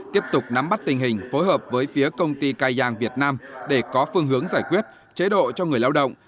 tiếp tục nắm bắt tình hình phối hợp với phía công ty cai giang việt nam để có phương hướng giải quyết chế độ cho người lao động